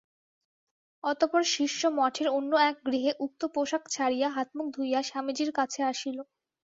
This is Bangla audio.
অতঃপর শিষ্য মঠের অন্য এক গৃহে উক্ত পোষাক ছাড়িয়া হাতমুখ ধুইয়া স্বামীজীর কাছে আসিল।